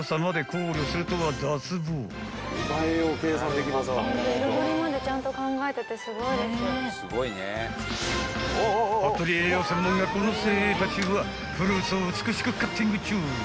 ［服部栄養専門学校の精鋭たちはフルーツを美しくカッティング中］